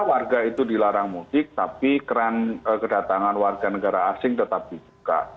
warga itu dilarang mudik tapi keran kedatangan warga negara asing tetap dibuka